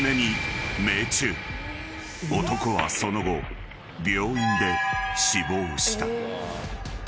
［男はその後病院で死亡した］